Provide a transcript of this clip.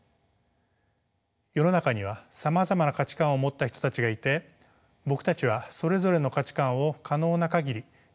世の中にはさまざまな価値観を持った人たちがいて僕たちはそれぞれの価値観を可能な限り認めていかなければなりません。